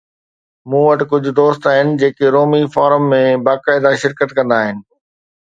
مون وٽ ڪجھ دوست آھن جيڪي رومي فورم ۾ باقاعده شرڪت ڪندا آھن.